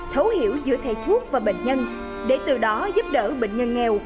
thấu hiểu giữa thầy thuốc và bệnh nhân để từ đó giúp đỡ bệnh nhân nghèo